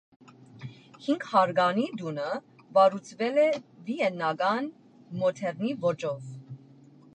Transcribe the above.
Հինգհարկանի տունը կառուցվել է վիեննական մոդեռնի ոճով։